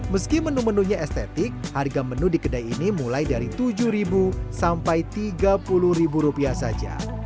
meski menu menunya estetik harga menu di kedai ini mulai dari tujuh sampai tiga puluh saja